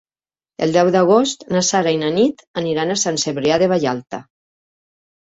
El deu d'agost na Sara i na Nit aniran a Sant Cebrià de Vallalta.